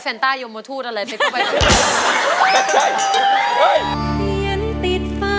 แฟนต้ายมทูตอะไร